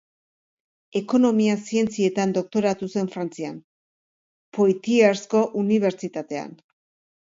Ekonomia Zientzietan doktoratu zen Frantzian, Poitiersko Unibertsitatean.